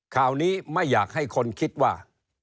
ข่าวนี้ไม่อยากให้คนคิดว่า